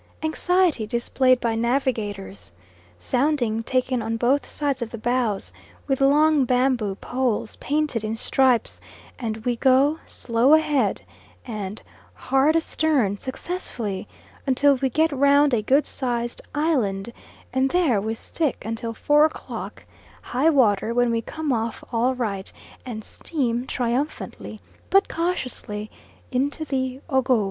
Anxiety displayed by navigators, sounding taken on both sides of the bows with long bamboo poles painted in stripes, and we go "slow ahead" and "hard astern" successfully, until we get round a good sized island, and there we stick until four o'clock, high water, when we come off all right, and steam triumphantly but cautiously into the Ogowe.